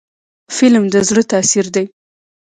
فلم د زړه تاثیر دی